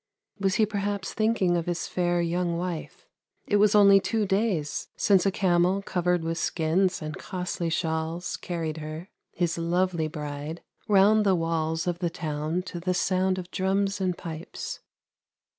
Was he perhaps thinking of his fair young wife ? It was only two days since a camel covered with skins and costly shawls carried her, his lovely bride, round the walls of the town to the sound of drums and pipes.